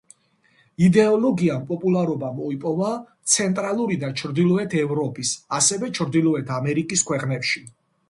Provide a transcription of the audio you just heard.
იდეოლოგიამ პოპულარობა მოიპოვა ცენტრალური და ჩრდილოეთ ევროპის, ასევე ჩრდილოეთ ამერიკის ქვეყნებში.